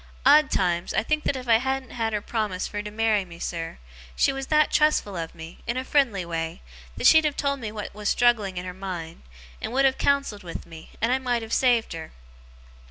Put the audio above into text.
Odd times, I think that if I hadn't had her promise fur to marry me, sir, she was that trustful of me, in a friendly way, that she'd have told me what was struggling in her mind, and would have counselled with me, and I might have saved her.